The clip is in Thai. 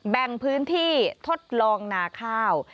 แบ่งพื้นที่ทดลองนาข้าว